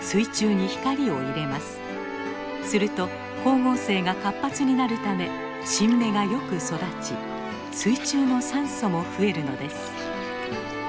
すると光合成が活発になるため新芽がよく育ち水中の酸素も増えるのです。